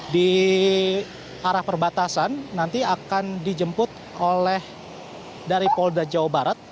di arah perbatasan nanti akan dijemput oleh dari polda jawa barat